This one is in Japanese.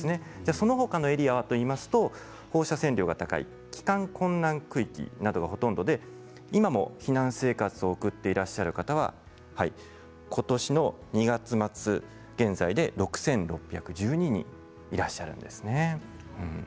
その他のエリアはというと放射線量が高い帰還困難区域などがほとんどで今も避難生活を送っていらっしゃる方は今年の２月末現在で６６１２人いらっしゃるんですね。